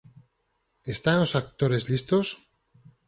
Están os actores listos?